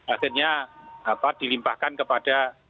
akhirnya dilimpahkan kepada